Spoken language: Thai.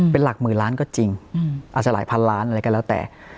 เป็นหลักหมื่นล้านก็จริงอาจจะหลายพันล้านอะไรก็แล้วแต่